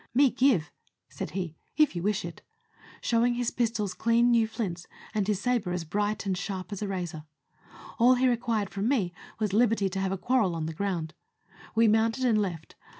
" Me give," said he, " if you wish it," showing his pistol's clean new flints, and his sabre as bright and sharp as a razor. All he required from me was liberty to have a quarrel on the ground. We mounted and left.